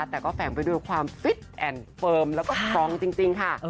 แต่ก็แฝงไปด้วยความฟิตแอนด์เฟิร์มแล้วก็ฟรองจริงค่ะ